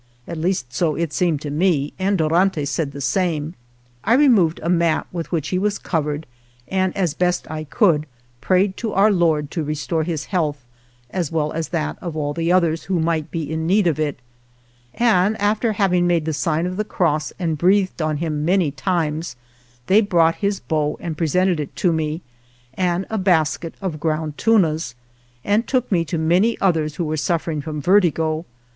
At least so it seemed to me, and Dorantes said the same. I removed a mat with which he was covered, and as best I could prayed to Our Lord to restore his health, as well as that of all the others who might be in need of it, and after having 106 ALVAR NUNEZ CABEZA DE VACA made the sign of the cross and breathed on him many times they brought his bow and presented it to me, and a basket of ground tunas, and took me to many others who were suffering from vertigo.